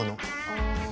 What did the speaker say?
ああ。